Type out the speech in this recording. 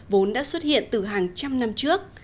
vốn đã xuất hiện từ hàng trăm năm trước